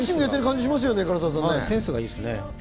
センスがいいですね。